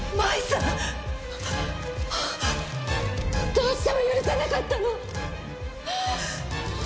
どうしても許せなかったの！